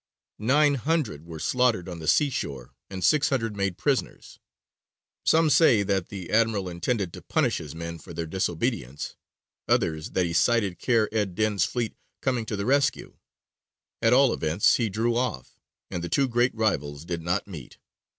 Nine hundred were slaughtered on the seashore and six hundred made prisoners. Some say that the admiral intended to punish his men for their disobedience; others that he sighted Kheyr ed dīn's fleet coming to the rescue. At all events he drew off, and the two great rivals did not meet.